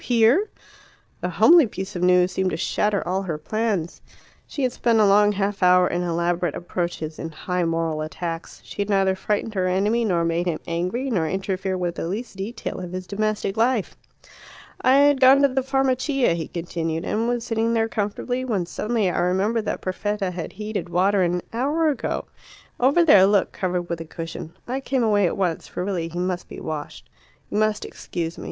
Here?" The homely piece of news seemed to shatter all her plans. She had spent a long half hour in elaborate approaches, in high moral attacks; she had neither frightened her enemy nor made him angry, nor interfered with the least detail of his domestic life. "I had gone to the Farmacia," he continued, "and was sitting there comfortably, when suddenly I remembered that Perfetta had heated water an hour ago over there, look, covered with a cushion. I came away at once, for really he must be washed. You must excuse me.